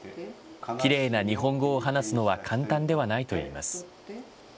きれいな日本語を話すのは簡単ではないといいます。